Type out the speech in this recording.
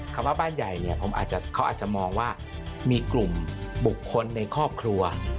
ว่าบ้านใหญ่เนี่ยเขาอาจจะมองว่ามีกลุ่มบุคคลในครอบครัว